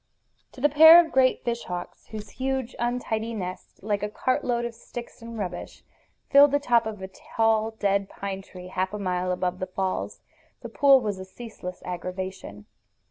To the pair of great fish hawks, whose huge, untidy nest, like a cart load of sticks and rubbish, filled the top of a tall dead pine tree half a mile above the falls, the pool was a ceaseless aggravation.